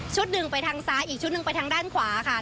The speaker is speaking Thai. หนึ่งไปทางซ้ายอีกชุดหนึ่งไปทางด้านขวาค่ะ